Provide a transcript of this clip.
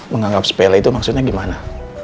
menganggap sepele itu maksudnya gimana